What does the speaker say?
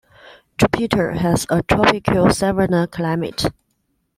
Jupiter has a Tropical savanna climate.